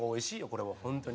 これは本当に。